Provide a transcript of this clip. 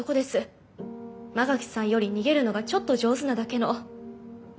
馬垣さんより逃げるのがちょっと上手なだけの。